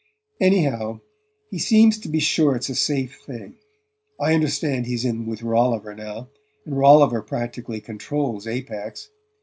"Anyhow, he seems to be sure it's a safe thing. I understand he's in with Rolliver now, and Rolliver practically controls Apex.